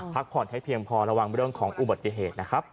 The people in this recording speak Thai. พักผ่อนให้เพียงพอระวังเรื่องของอุบัติเหตุนะครับ